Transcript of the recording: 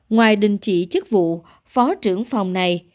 ngoài đình chỉ chức vụ phó trưởng phòng này